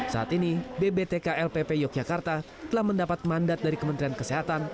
saat ini bbtk lpp yogyakarta telah mendapat mandat dari kementerian kesehatan